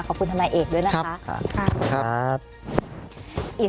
ขอบคุณธรรมนายเอกด้วยนะคะขอบคุณค่ะขอบคุณค่ะขอบคุณค่ะ